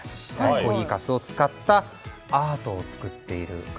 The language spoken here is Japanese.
コーヒーかすを使ったアートを作っている方。